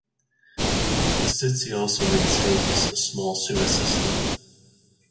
The city also maintains a small sewer system.